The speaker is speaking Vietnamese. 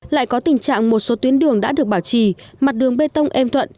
lại có tình trạng một số tuyến đường đã được bảo trì mặt đường bê tông êm thuận